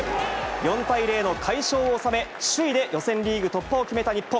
４対０の快勝を収め、首位で予選リーグ突破を決めた日本。